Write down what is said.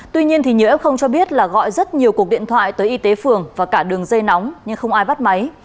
tuy nhiên nghĩa không cho biết là gọi rất nhiều cuộc điện thoại tới y tế phường và cả đường dây nóng nhưng không ai bắt máy